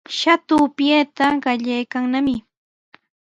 Shatu upyayta qallaykannami.